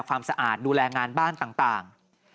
ความสะอาดดูแลงานบ้านต่าง